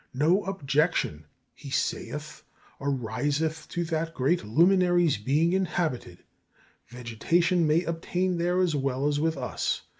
No objection, he saith, ariseth to that great luminary's being inhabited; vegetation may obtain there as well as with us.